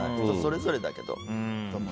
人それぞれだけど。